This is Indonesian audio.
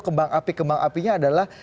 kembang api kembang apinya adalah